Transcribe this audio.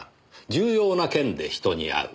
「重要な件で人に会う」